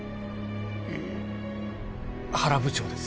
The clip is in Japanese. え原部長です